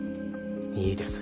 いいです。